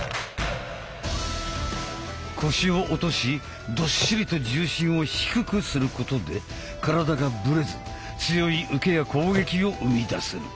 腰を落としどっしりと重心を低くすることで体がぶれず強い受けや攻撃を生み出せる。